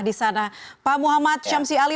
di sana pak muhammad syamsi ali